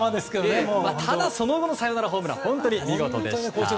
ただ、そのあとのサヨナラホームランは本当に見事でした。